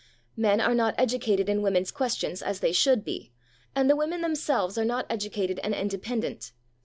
Men are not educated in women's questions as they should be, and the women themselves are not educated and independent.